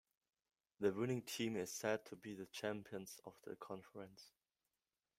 The winning team is said to be the champions of the conference.